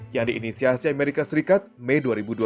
yang diinisiasi amerika serikat mei dua ribu dua puluh